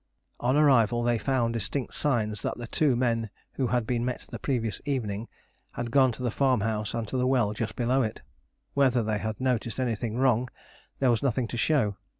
On arrival they found distinct signs that the two men who had been met the previous evening had gone to the farmhouse and to the well just below it. Whether they had noticed anything wrong, there was nothing to show.